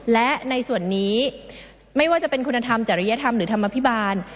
และในส่วนนี้ไม่ว่าจะเป็นคุณธรรมจริยธรรมหรือธรรมภิบาล